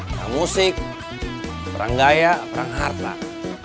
perang musik perang gaya perang art pak